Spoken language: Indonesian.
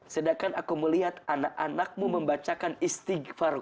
sedangkan aku melihat anak anakmu membacakan istighfar